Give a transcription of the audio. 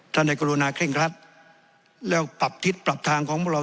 ได้กรุณาเคร่งครัดแล้วปรับทิศปรับทางของพวกเรา